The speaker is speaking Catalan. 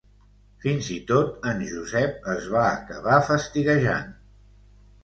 Fins i tot en Josep es va acabar fastiguejant.